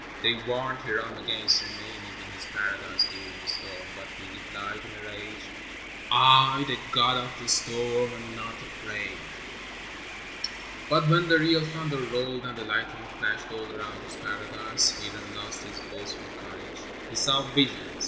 They warned Hiram against remaining in his paradise during a storm, but he replied, in a rage: "I, the God of the storm, am not afraid." But when the real thunder rolled and the lightning flashed all around his paradise, Hiram lost his boastful courage. He saw visions.